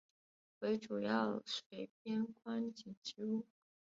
为主要水边观景植物。